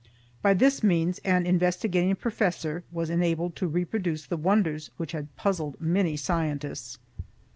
By this means an investigating professor was enabled to reproduce the wonders which had puzzled many scientists.